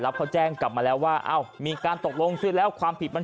เขาแจ้งกลับมาแล้วว่ามีการตกลงซื้อแล้วความผิดมัน